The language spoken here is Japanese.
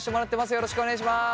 よろしくお願いします。